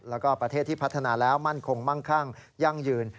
แล้วก็ประเทศที่พัฒนาแล้วมั่นคงมั่งคั่งยั่งยืน